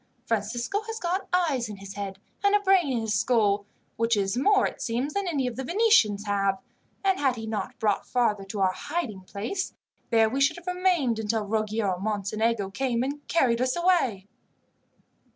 "Francisco has got eyes in his head, and a brain in his skull, which is more, it seems, than any of the Venetians have; and had he not brought father to our hiding place, there we should have remained until Ruggiero Mocenigo came and carried us away."